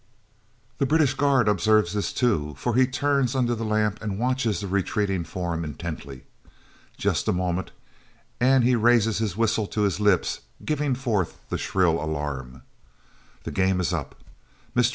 The British guard observes this too, for he turns under the lamp and watches the retreating form intently. Just a moment, and he raises his whistle to his lips, giving forth the shrill alarm. The game is up. Mr.